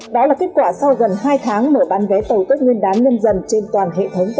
đó là kết quả sau gần hai tháng mở bán vé tàu tết nguyên đán nhân dần trên toàn hệ thống